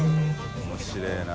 面白いな。